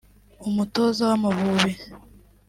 umutoza w’Amavubi